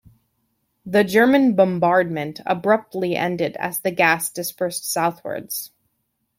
The German bombardment abruptly ended, as the gas dispersed southwards.